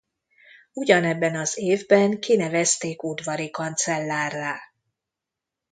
Ugyanebben az évben kinevezték udvari kancellárrá.